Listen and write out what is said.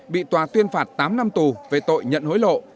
bị tòa tuyên phạt tám năm tù về tội nhận hối lộ